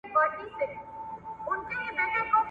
اقتصاد پوهانو له کلونو راهيسې پر دې موضوع بحثونه کړي وو.